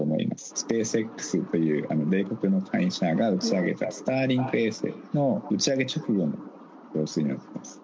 スペースＸという米国の会社が打ち上げた、スターリンク衛星の打ち上げ直後の様子になっています。